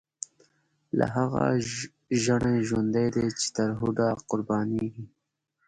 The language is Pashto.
لاهغه ژڼی ژوندی دی، چی ترهوډه قربانیږی